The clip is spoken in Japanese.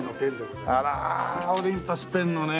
あらオリンパスペンのね。